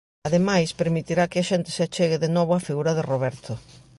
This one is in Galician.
Ademais, permitirá que a xente se achegue de novo á figura de Roberto.